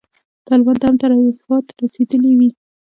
طالبانو ته هم تلفات رسېدلي وي.